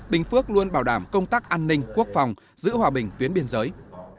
bình phước luôn bảo đảm công tác an ninh quốc phòng giữ hòa bình tuyến biên giới